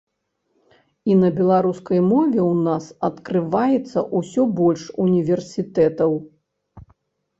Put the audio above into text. І на беларускай мове ў нас адкрываецца ўсё больш універсітэтаў.